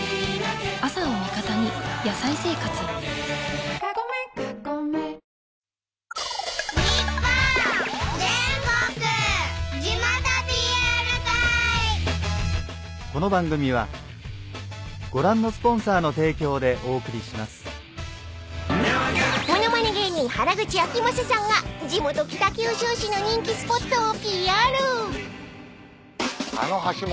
大空あおげ［物まね芸人原口あきまささんが地元北九州市の人気スポットをＰＲ］へ。